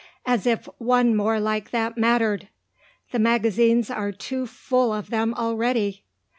As if one more like that mattered! The magazines are too full of them already."